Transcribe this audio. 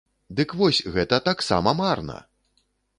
Дык вось, гэта таксама марна!